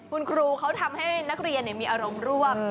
คุณครูเขาทำให้นักเรียนมีอารมณ์ร่วม